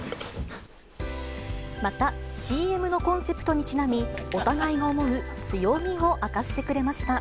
また、ＣＭのコンセプトにちなみ、お互いが思う強みを明かしてくれました。